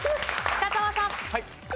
深澤さん。